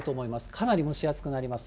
かなり蒸し暑くなります。